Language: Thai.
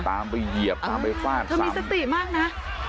ตามไปเหยียบตามไปฟาดเธอมีสติมากนะ